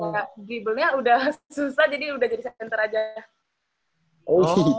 dribblenya udah susah jadi udah jadi center aja